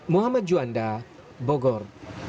muhammad juanda bogor